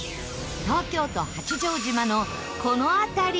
東京都八丈島のこの辺り。